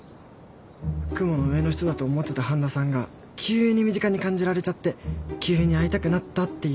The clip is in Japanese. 雲の上の人だと思ってた半田さんが急に身近に感じられちゃって急に会いたくなったっていうか。